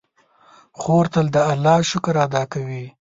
خور تل د الله شکر ادا کوي.